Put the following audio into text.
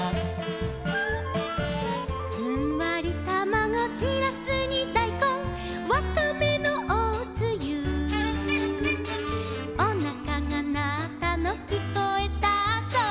「ふんわりたまご」「しらすにだいこん」「わかめのおつゆ」「おなかがなったのきこえたぞ」